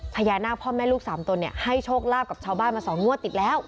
พญานาคพ่อแม่ลูกสามตนเนี่ยให้โชคลาบบ้านกับชาวบ้านมาตรง๊วดอีกแล้ว